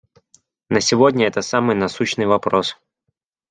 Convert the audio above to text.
На сегодня это самый насущный вопрос.